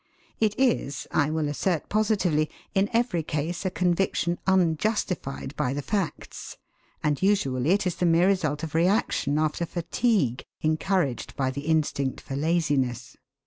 It is, I will assert positively, in every case a conviction unjustified by the facts, and usually it is the mere result of reaction after fatigue, encouraged by the instinct for laziness.